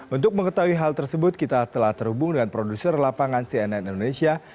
untuk mengetahui hal tersebut kita telah terhubung dengan produser lapangan cnn indonesia